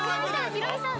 ヒロミさん